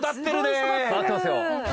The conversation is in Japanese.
育ってますよ。